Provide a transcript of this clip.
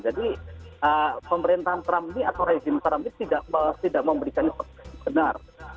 jadi pemerintahan trump ini atau rezim trump ini tidak mau memberikan kesempatan yang benar